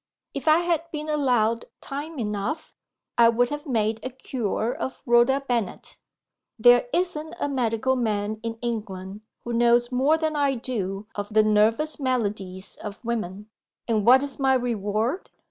If I had been allowed time enough, I would have made a cure of Rhoda Bennet. There isn't a medical man in England who knows more than I do of the nervous maladies of women and what is my reward?